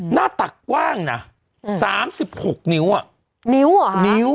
หน้าตักว่างน่ะสามสิบหกนิ้วอ่ะนิ้วเหรอฮะนิ้ว